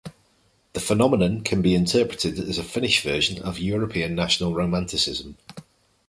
The phenomenon can be interpreted as a Finnish version of European national romanticism.